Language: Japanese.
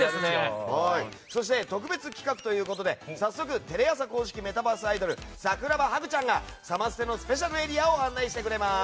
そして、特別企画ということで早速テレ朝公式メタバースアイドル桜葉ハグちゃんがサマステのスペシャルエリアを案内してくれます。